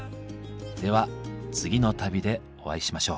では次の旅でお会いしましょう。